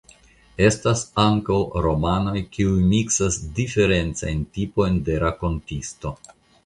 Estas ankaŭ romanoj kiuj miksas diferencajn tipojn de rakontisto.